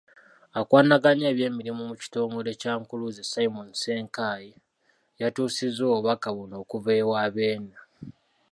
Akwanaganya eby'emirimu mu kitongole kya Nkuluze, Simon Ssenkaayi y'atuusizza obubaka buno okuva ewa Beene.